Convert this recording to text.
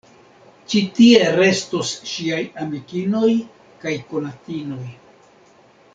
Ĉi tie restos ŝiaj amikinoj kaj konatinoj.